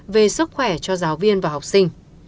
về sức khỏe cho giáo viên và học sinh